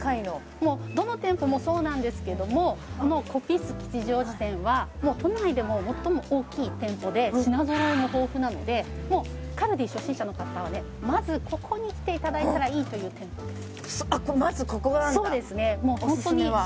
どの店舗もそうなんですけどもコピス吉祥寺店は都内でも最も大きい店舗で品揃えが豊富なのでカルディ初心者の方はまずここに来ていただいたらいいという店舗ですまずここなんだオススメはそうですね